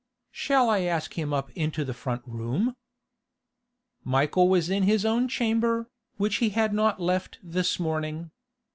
'Shall I ask him up into the front room?' Michael was in his own chamber, which he had not left this morning.